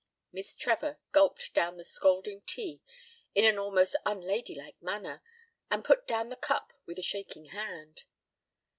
Miss Trevor gulped down the scalding tea in an almost unladylike manner, and put the cup down with a shaking hand.